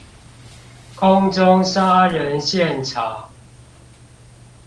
空中殺人現場